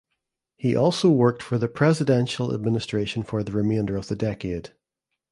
He also worked for the presidential administration for the remainder of the decade.